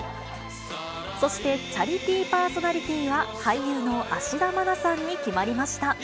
そしてチャリティーパーソナリティーは、俳優の芦田愛菜さんに決まりました。